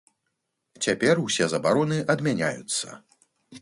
Цяпер усе забароны адмяняюцца.